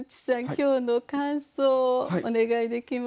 今日の感想をお願いできますか。